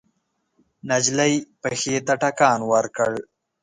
نجلۍ پښې ته ټکان ورکړ.